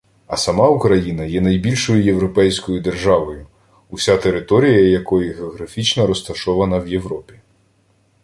А сама Україна є найбільшою європейською державою, уся територія якої географічно розташована в Європі